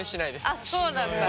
あっそうなんだ。